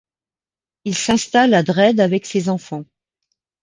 Il s'installe à Dresde avec ses enfants.